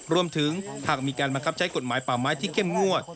รวมถึงหากมีการบังคับใช้กฎหมายป่าไม้ที่เข้มงวด